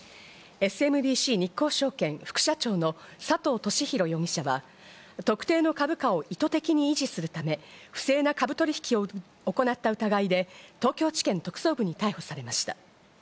ＳＭＢＣ日興証券副社長の佐藤俊弘容疑者は、特定の株価を意図的に維持するため、不正な株取引を行った疑いで、東京地検特捜部に逮捕されました。